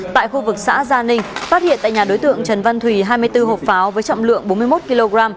tại khu vực xã gia ninh phát hiện tại nhà đối tượng trần văn thùy hai mươi bốn hộp pháo với trọng lượng bốn mươi một kg